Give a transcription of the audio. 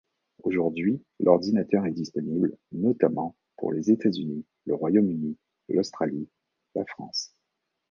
Aujourd'hui, l'ordinateur est disponible, notamment, pour les États-Unis, le Royaume-Uni, l'Australie, la France.